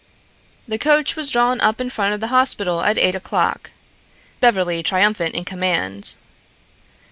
The coach was drawn up in front of the hospital at eight o'clock, Beverly triumphant in command.